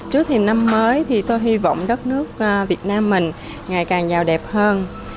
trước thềm năm mới thì tôi hy vọng đất nước việt nam mình ngày càng giàu đẹp hơn